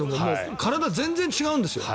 体、全然違うんですよ。